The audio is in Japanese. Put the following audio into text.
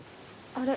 あれ？